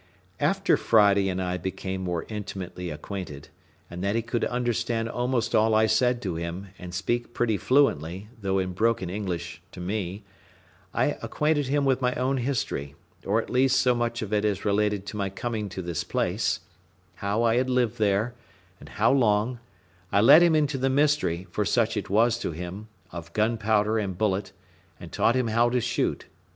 After Friday and I became more intimately acquainted, and that he could understand almost all I said to him, and speak pretty fluently, though in broken English, to me, I acquainted him with my own history, or at least so much of it as related to my coming to this place: how I had lived there, and how long; I let him into the mystery, for such it was to him, of gunpowder and bullet, and taught him how to shoot.